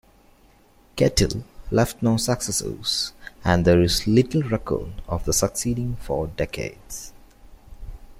Ketill left no successors and there is little record of the succeeding four decades.